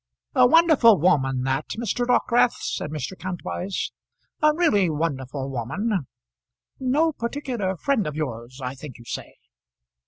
"A wonderful woman that, Mr. Dockwrath," said Mr. Kantwise, "a really wonderful woman; no particular friend of yours I think you say?"